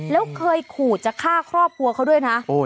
แล้วเคยขู่จะฆ่าครอบครัวเขาด้วยนะ